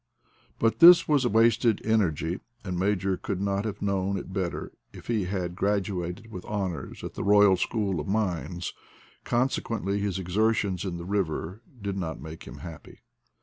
But this was wasted energy, and Major could not have known it better if he had gradu ated with honors at the Boyal School of Mines, consequently his exertions in the river did not make him happy.